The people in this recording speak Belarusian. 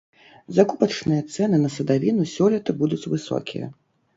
Закупачныя цэны на садавіну сёлета будуць высокія.